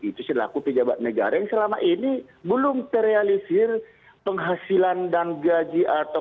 itu selaku pejabat negara yang selama ini belum terrealisir penghasilan dan gaji atau